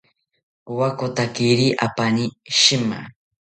Powakotakiri apani shima